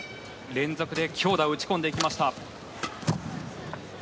連続で強打を打ち込んでいきました。